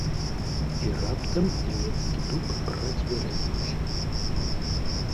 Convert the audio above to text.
І раптам нямецкі дуб працверазіўся.